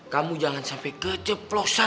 kamu jangan sampe keceplosan